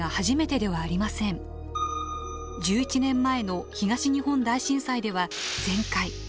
１１年前の東日本大震災では全壊。